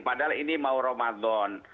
padahal ini mau ramadan